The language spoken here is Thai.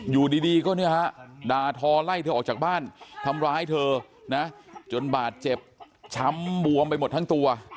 อยู่ดีก็เนี่ยฮะด่าทอไล่เธอออกจากบ้านทำร้ายเธอนะจนบาดเจ็บช้ำบวมไปหมดทั้งตัว